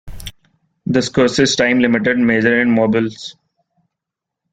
This quest is time-limited, measured in 'mobuls'.